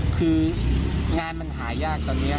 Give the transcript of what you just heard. คืองานมันหายากตอนนี้